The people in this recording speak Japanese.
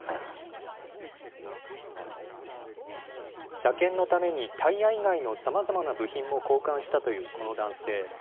車検のためにタイヤ以外のさまざまな部品も交換したというこの男性。